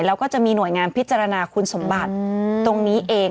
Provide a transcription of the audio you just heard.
แล้วก็จะมีหน่วยงานพิจารณาคุณสมบัติตรงนี้เอง